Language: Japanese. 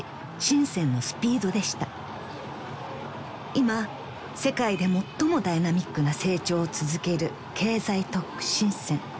［今世界で最もダイナミックな成長を続ける経済特区深］